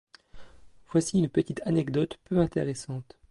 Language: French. Voici une petite anecdote peu intéressante.